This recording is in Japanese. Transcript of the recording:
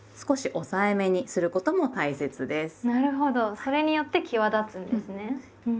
それによって際立つんですね。